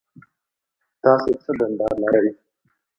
تاسو څه دنده لرئ؟